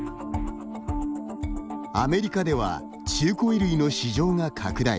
アメリカでは中古衣類の市場が拡大。